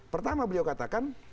pertama beliau katakan